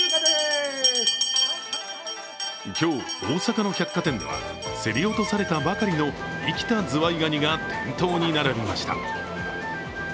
今日、大阪の百貨店では競り落とされたばかりの生きたズワイガニが店頭に並びました。